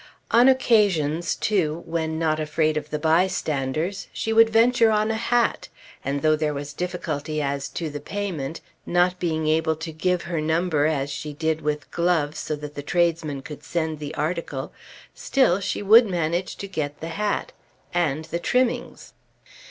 On occasions too, when not afraid of the bystanders, she would venture on a hat, and though there was difficulty as to the payment, not being able to give her number as she did with gloves, so that the tradesmen could send the article, still she would manage to get the hat, and the trimmings.